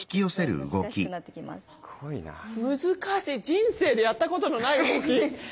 人生でやったことのない動き！